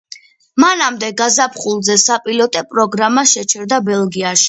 მანამდე, გაზაფხულზე, საპილოტე პროგრამა შეჩერდა ბელგიაში.